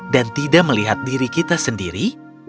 dan tidak melihat diri kita sendiri